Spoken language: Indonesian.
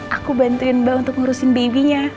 aku bantuin mbak untuk ngurusin babynya